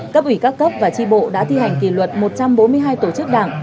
cấp ủy các cấp và tri bộ đã thi hành kỷ luật một trăm bốn mươi hai tổ chức đảng